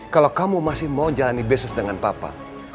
kalau kamu masih mau jalani bisnis dengan papa